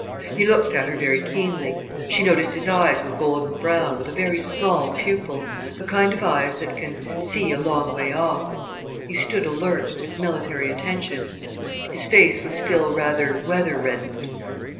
He looked at her very keenly. She noticed his eyes were golden brown, with a very small pupil, the kind of eyes that can see a long way off. He stood alert, at military attention. His face was still rather weather reddened.